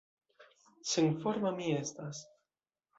Senforma mi estas!